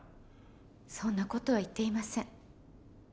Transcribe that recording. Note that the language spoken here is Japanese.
そんな事は言っていません。